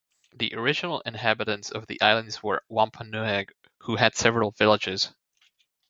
The original inhabitants of the islands were Wampanoag, who had several villages.